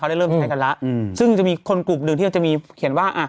เขาได้เริ่มใช้กันแล้วซึ่งจะมีคนกลุ่มหนึ่งที่จะมี